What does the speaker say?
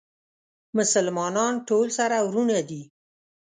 مسلمانان ټول سره وروڼه دي